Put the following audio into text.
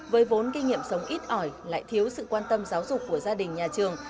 với vốn kinh nghiệm sống ít ỏi lại thiếu sự quan tâm giáo dục của gia đình nhà trường